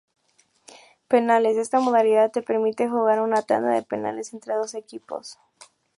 Penales: Esta modalidad te permite jugar una tanda de penales entre dos equipos.